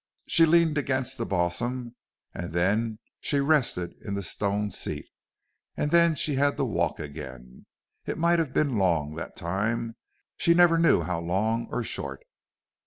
She leaned against the balsam and then she rested in the stone seat, and then she had to walk again. It might have been long, that time; she never knew how long or short.